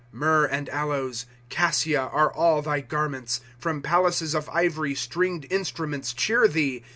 ^ llyrrh and aloes, cassia, are all thy garments ; From palaces of ivory stringed instruments cheer thee.